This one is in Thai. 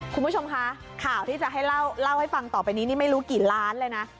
คุณผู้ชมคะข่าวที่จะให้เล่าให้ฟังต่อไปนี้นี่ไม่รู้กี่ล้านเลยนะ